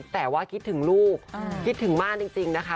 แต่ว่าคิดถึงลูกคิดถึงมากจริงนะคะ